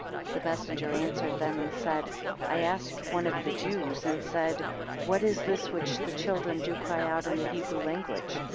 15 The messenger answered them and said, I asked one of the Jews and said, What is this which the children do cry out in the Hebrew language?